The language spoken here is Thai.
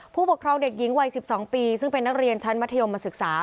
ผู้ปกครองเด็กหญิงวัย๑๒ปีซึ่งเป็นนักเรียนชั้นมัธยมศึกษา